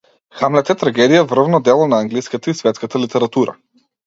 „Хамлет“ е трагедија, врвно дело на англиската и светската литература.